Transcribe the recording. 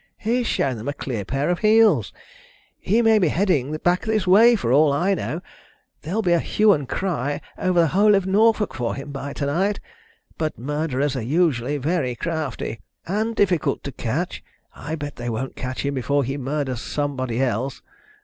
"He's shown them a clean pair of heels. He may be heading back this way, for all I know. There will be a hue and cry over the whole of Norfolk for him by to night, but murderers are usually very crafty, and difficult to catch. I bet they won't catch him before he murders somebody else."